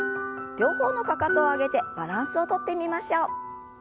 両方のかかとを上げてバランスをとってみましょう。